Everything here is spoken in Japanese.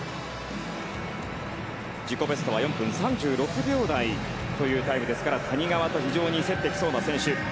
自己ベストは４分３６秒台というタイムですから谷川と非常に競ってきそうな選手。